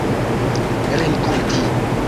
renkonti